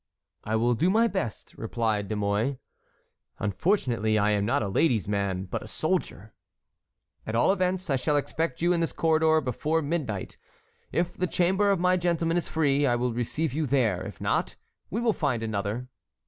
"I will do my best," replied De Mouy. "Unfortunately I am not a lady's man, but a soldier." "At all events I shall expect you in this corridor before midnight. If the chamber of my gentlemen is free, I will receive you there; if not, we will find another."